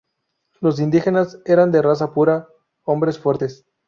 Los indígenas eran de raza pura, hombres fuertes.